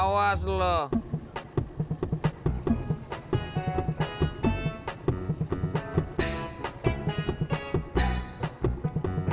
jangan ikut ikutin gua